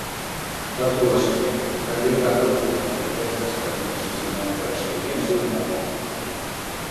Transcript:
La tripulació també va dur a terme tres experiments dissenyats per estudiants durant el vol.